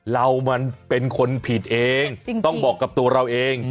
เรามันเป็นคนผิดเองต้องบอกกับตัวเราเอง